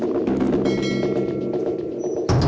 tapi katanya kamu sudah